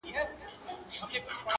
شکر دی گراني چي زما له خاندانه نه يې.